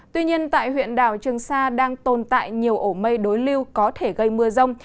tuy nhiên tại huyện đảo trường sa đang tồn tại nhiều ổ mây đối lưu có thể gây mưa rông